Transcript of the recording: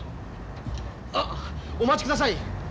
あっお待ちください。